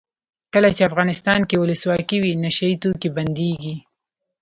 کله چې افغانستان کې ولسواکي وي نشه یي توکي بندیږي.